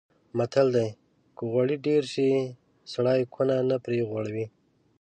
متل دی: که غوړي ډېر شي سړی کونه نه پرې غوړوي.